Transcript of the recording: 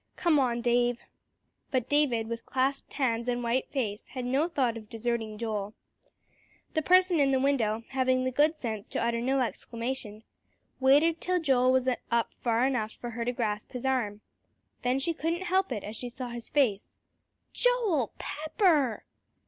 "Come on, Dave." But David, with clasped hands and white face, had no thought of deserting Joel. The person in the window, having the good sense to utter no exclamation, waited till Joel was up far enough for her to grasp his arm. Then she couldn't help it as she saw his face. "_Joel Pepper!